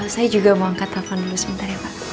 saya juga mau angkat telepon dulu sebentar ya pak